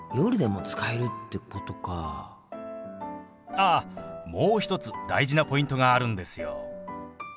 あっもう一つ大事なポイントがあるんですよ。